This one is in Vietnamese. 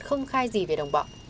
không khai gì về đồng bọn